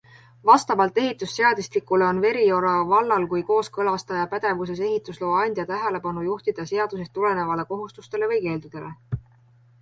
Vastavalt ehitusseadustikule on Veriora vallal kui kooskõlastaja pädevuses ehitusloa andja tähelepanu juhtida seadusest tulenevatele kohustustele või keeldudele.